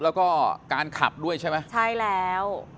แล้วก็การขับด้วยใช่มั้ย